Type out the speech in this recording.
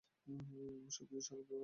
আমার সবকিছু শাসন করার কথা ছিল।